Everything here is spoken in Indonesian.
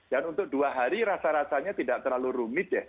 dan untuk dua hari rasa rasanya tidak terlalu rumit ya